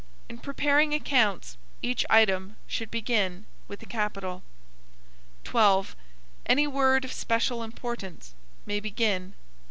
In preparing accounts, each item should begin with a capital. 12. Any word of special importance may begin with a capital.